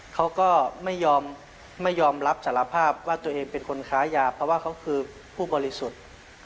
เขาก็ไม่ยอมไม่ยอมรับสารภาพว่าตัวเองเป็นคนค้ายาเพราะว่าเขาคือผู้บริสุทธิ์